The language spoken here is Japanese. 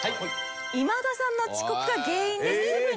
今田さんの遅刻が原因ですぐに解散。